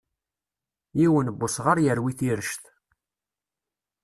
Yiwen n usɣar yerwi tirect.